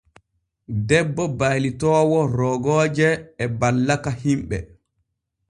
Debbo baylitoowo roogooje e ballaka himɓe.